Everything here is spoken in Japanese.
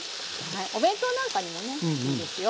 お弁当なんかにもねいいですよ。